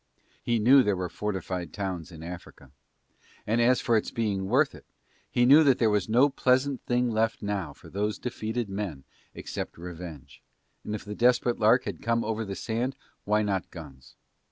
He knew there were fortified towns in Africa, and as for its being worth it, he knew that there was no pleasant thing left now to those defeated men except revenge, and if the Desperate Lark had come over the sand why not guns?